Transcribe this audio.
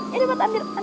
ya udah ambil aja